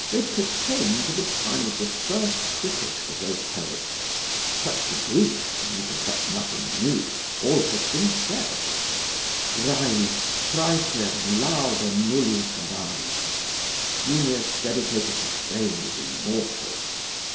They pertain to the time of the first critics of those poets. Touch the Greeks, and you can nothing new; all has been said: 'Graiis ... praeter, laudem nullius avaris.' Genius dedicated to Fame is immortal.